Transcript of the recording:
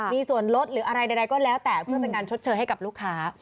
มีส่วนลดหรืออะไรใดก็แล้วแต่เพื่อเป็นการชดเชยให้กับลูกค้า